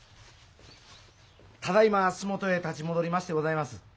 ただいま洲本へ立ち戻りましてございます。